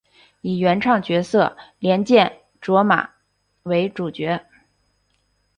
以原创角色莲见琢马为主角。